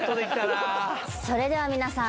それでは皆さん。